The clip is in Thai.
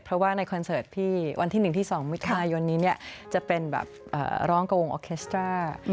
เพราะว่าในคอนเสิร์ตพี่วันที่๑ที่๒มิถุนายนนี้จะเป็นแบบร้องกับวงออเคสตรา